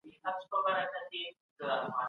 که انلاین ټولګي وي وخت انعطاف لري.